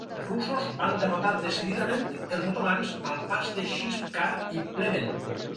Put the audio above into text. Els russos van derrotar decididament els otomans al Pas de Shipka i Pleven.